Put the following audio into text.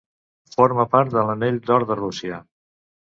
Forma part de l'anell d'or de Rússia.